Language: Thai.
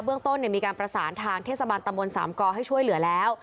เรื่องต้นมีการประสานทางเทศบาลตำบลสามกอให้ช่วยเหลือแล้ว